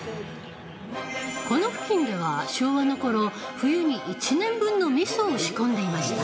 この付近では昭和のころ冬に１年分のみそを仕込んでいました。